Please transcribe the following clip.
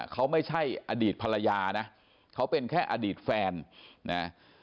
เขาไม่ใช่อดีตภรรยานะเขาเป็นแค่อดีตแฟนนะ